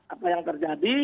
apa yang terjadi